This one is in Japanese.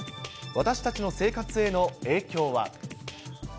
私たちの生活への影響は。